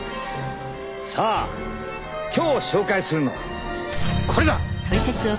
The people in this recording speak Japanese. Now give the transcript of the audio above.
さあ今日紹介するのはこれだ！